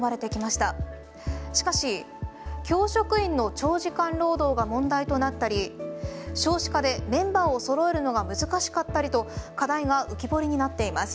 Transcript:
しかし、教職員の長時間労働が問題となったり、少子化でメンバーをそろえるのが難しかったりと課題が浮き彫りになっています。